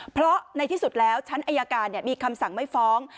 เพราะในที่สุดแล้วชั้นอายการมีคำสั่งไม่ฟ้อง